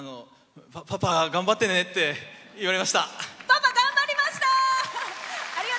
「パパ、頑張ってね」って言われました。